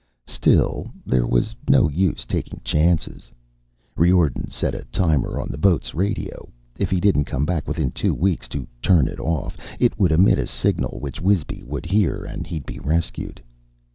Still, there was no use taking chances. Riordan set a timer on the boat's radio. If he didn't come back within two weeks to turn it off, it would emit a signal which Wisby would hear, and he'd be rescued.